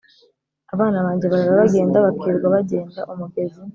Abana banjye barara bagenda, bakirirwa bagenda.-Umugezi